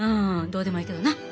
どうでもええけどな。